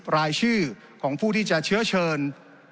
รายชื่อของผู้ที่จะเชื้อเชิญ